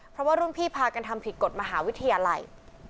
เพราะว่ารุ่นพี่พากันทำผิดกฎมหาวิทยาลัย